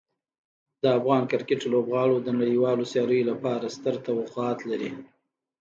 د افغان کرکټ لوبغاړو د نړیوالو سیالیو لپاره ستر توقعات لري.